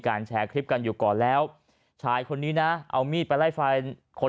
แชร์คลิปกันอยู่ก่อนแล้วชายคนนี้นะเอามีดไปไล่ฟันคน